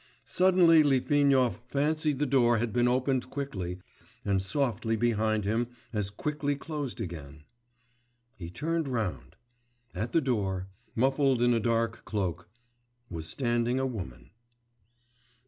Suddenly Litvinov fancied the door had been opened quickly and softly behind him and as quickly closed again.... He turned round; at the door, muffled in a dark cloak, was standing a woman....